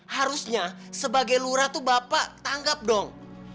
harusnya sebagai lurah itu bapak tangkap dong